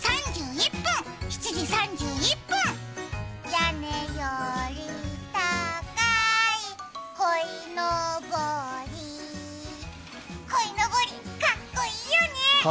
やねよりたかいこいのぼりこいのぼり、かっこいいよね！